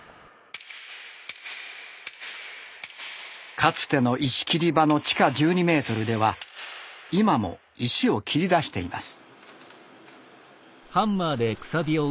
かつての石切り場の地下１２ｍでは今も石を切り出しています。